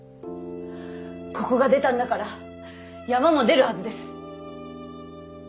ここが出たんだから山も出るはずです。